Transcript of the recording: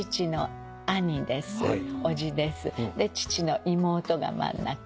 父の妹が真ん中。